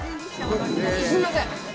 すみません。